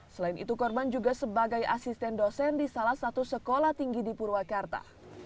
selain itu korban juga sebagai asisten dosen di salah satu sekolah tinggi di purwakarta